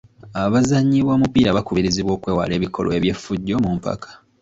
Abazannyi b'omupiira bakubirizibwa okwewala ebikolwa eby'effujjo mu mpaka.